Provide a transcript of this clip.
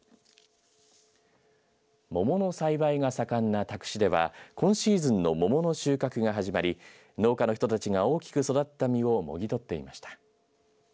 ももの栽培が盛んな多久市では今シーズンのももの収穫が始まり農家の人たちが大きく育った実をもぎ取っていました。